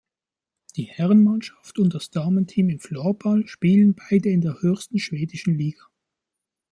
Die Herrenmannschaft und das Damenteam im Floorball spielen beide in der höchsten schwedischen Liga.